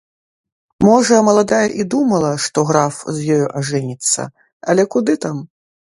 Можа, маладая і думала, што граф з ёю ажэніцца, але куды там.